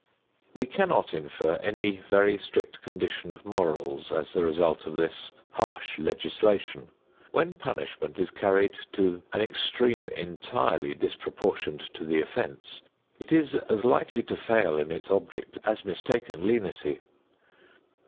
We can not infer any very strict condition of morals as the result of this harsh legislation. When punishment is carried to an extreme entirely disproportioned to the offense, it is as likely to fail in its object as mistaken lenity.